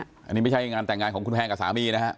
อันนี้ไม่ใช่งานแต่งงานของคุณแพงกับสามีนะฮะ